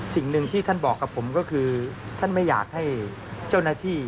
สิ่งหนึ่งที่ท่านบอกกับผมก็คือท่านไม่อยากให้เจ้าหน้าที่